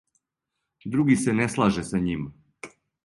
Други се не слаже са њим.